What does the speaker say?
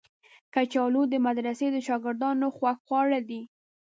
کچالو د مدرسې د شاګردانو خوښ خواړه دي